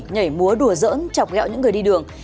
nhảy múa đùa dỡn chọc gẹo những người đi đường